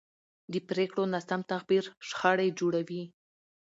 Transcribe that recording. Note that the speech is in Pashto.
د پرېکړو ناسم تعبیر شخړې جوړوي